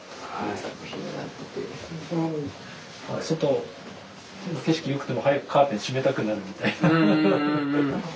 外の景色よくても早くカーテン閉めたくなるみたいな。